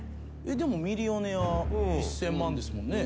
でも『ミリオネア』１，０００万ですもんね。